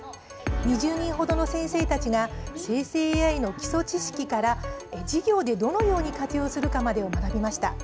２０人ほどの先生たちが生成ＡＩの基礎知識から授業でどのように活用するかまでを学びました。